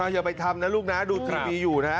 อย่าไปทำนะลูกนะดูทีวีอยู่นะ